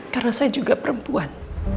karena saya juga perempuan